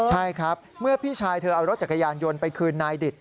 ใช่ครับเมื่อพี่ชายเธอเอารถจักรยานยนต์ไปคืนนายดิต